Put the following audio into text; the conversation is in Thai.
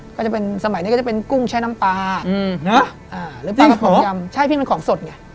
ก็จะเป็นสมัยนี้ก็จะเป็นกุ้งใช้น้ำปลาหรือปลาของยำใช่พี่เป็นของสดไง